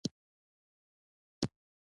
دا کوم ځای دی؟